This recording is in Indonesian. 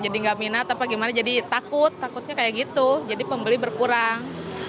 jadi nggak minat apa gimana jadi takut takutnya kayak gitu jadi pembeli berkurang